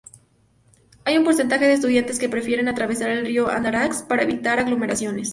Hay un porcentaje de estudiantes que prefieren atravesar el Río Andarax para evitar aglomeraciones.